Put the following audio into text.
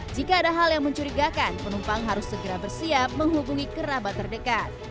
jika ada hal yang mencurigakan penumpang harus segera bersiap menghubungi kerabat terdekat